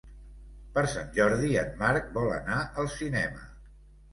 Per Sant Jordi en Marc vol anar al cinema.